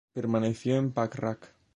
Permaneció en Pakrac.